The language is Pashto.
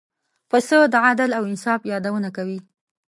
پسه د عدل او انصاف یادونه کوي.